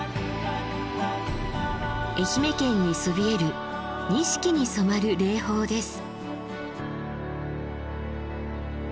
愛媛県にそびえる錦に染まる霊峰です。